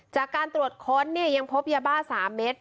จากการตรวจค้นเนี่ยยังพบยาบ้า๓เม็ด